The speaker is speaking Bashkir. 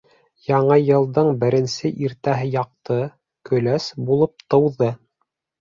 Яңы йылдың беренсе иртәһе яҡты, көләс булып тыуҙы.